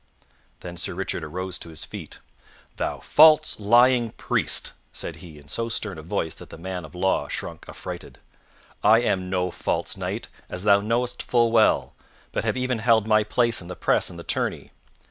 Then Sir Richard arose to his feet. "Thou false, lying priest!" said he in so stern a voice that the man of law shrunk affrighted, "I am no false knight, as thou knowest full well, but have even held my place in the press and the tourney.